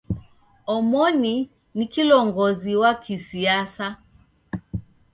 Omoni ni kilongozi wa kisiasa.